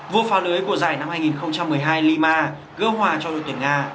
vô pha lưới của giải năm hai nghìn một mươi hai lima gỡ hòa cho đội tuyển nga